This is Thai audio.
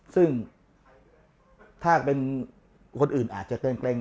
ซึ่งถ้าเป็นคนอื่นอาจจะเกร็ง